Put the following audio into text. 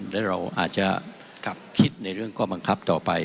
ที่เราอาจจะคิดในเรื่องก้อบังคับต่อไป